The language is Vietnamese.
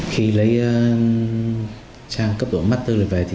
khi lấy trang trí